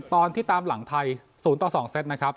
ตอนที่ตามหลังไทย๐ต่อ๒เซตนะครับ